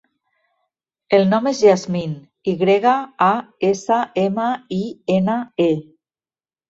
El nom és Yasmine: i grega, a, essa, ema, i, ena, e.